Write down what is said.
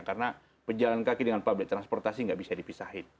karena pejalan kaki dengan publik transportasi nggak bisa dipisahin